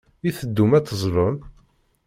I teddum ad teẓẓlem?